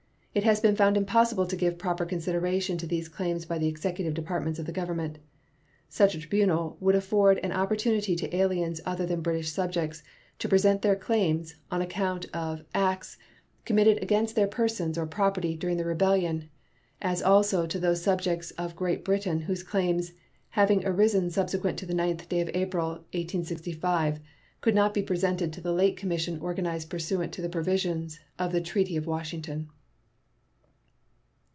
It has been found impossible to give proper consideration to these claims by the Executive Departments of the Government. Such a tribunal would afford an opportunity to aliens other than British subjects to present their claims on account of acts committed against their persons or property during the rebellion, as also to those subjects of Great Britain whose claims, having arisen subsequent to the 9th day of April, 1865, could not be presented to the late commission organized pursuant to the provisions of the treaty of Washington.